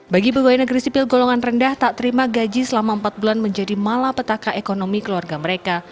bagi pegawai negeri sipil golongan rendah tak terima gaji selama empat bulan menjadi malapetaka ekonomi keluarga mereka